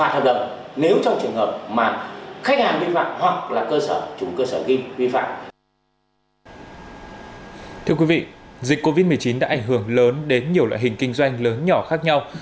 thưa quý vị dịch covid một mươi chín đã ảnh hưởng lớn đến nhiều loại hình kinh doanh lớn nhỏ khác nhau